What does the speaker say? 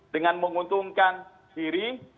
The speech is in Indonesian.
dengan menguntungkan diri